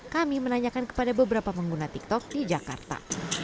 kami menanyakan kepada beberapa pengguna tiktok di jakarta